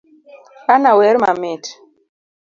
Anna wer mamit.